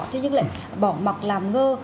thế nhưng lại bỏ mặc làm ngơ